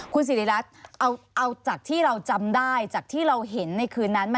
คุณสิริรัตน์เอาจากที่เราจำได้จากที่เราเห็นในคืนนั้น